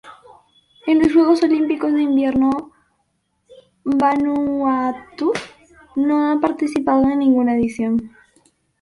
En los Juegos Olímpicos de Invierno Vanuatu no ha participado en ninguna edición.